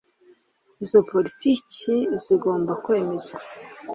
Izo politiki zigomba kwemezwa